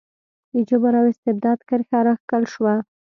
د جبر او استبداد کرښه راښکل شوه.